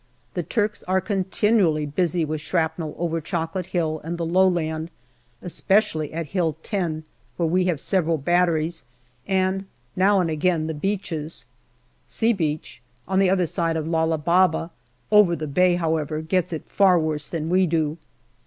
The Turks are continually busy with shrapnel over Chocolate Hill and the low land, especially at Hill 10, where we have several batteries, and now and again the beaches. " C " Beach, on the other side of Lala Baba, over the bay, however, gets it far worse than we do.